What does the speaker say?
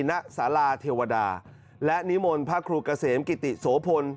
ณสาราเทวดาและนิมนต์พระครูเกษมกิติโสพล